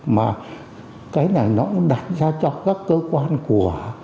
mà cái này nó cũng đặt ra cho các cơ quan của